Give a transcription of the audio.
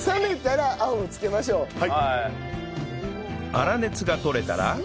粗熱が取れたら